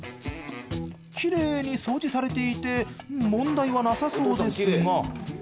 キレイに掃除されていて問題はなさそうですが。